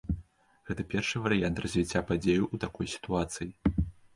Гэта першы варыянт развіцця падзеяў у такой сітуацыі.